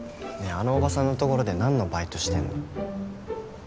あのおばさんの所で何のバイトしてんの？